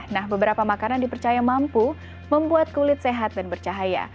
nah beberapa makanan dipercaya mampu membuat kulit sehat dan bercahaya